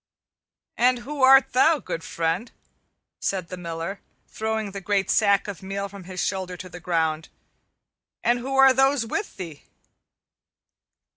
"And who art thou, good friend?" said the Miller, throwing the great sack of meal from his shoulder to the ground, "and who are those with thee?"